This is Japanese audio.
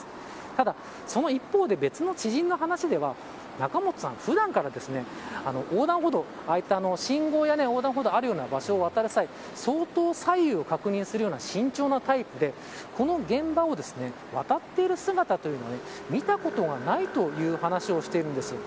ただその一方で別の知人の話では仲本さん、普段から信号や横断歩道あるような場所相当、左右を確認するような慎重なタイプでこの現場を渡っている姿というのは見たことがないという話をしているんですよ。